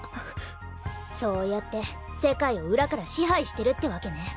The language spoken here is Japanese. そうやって世界を裏から支配してるってわけね。